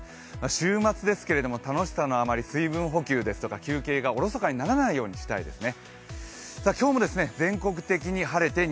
週末ですけれども、楽しさのあまり水分補給ですとか休憩がおろそかにならないようにしたいですね。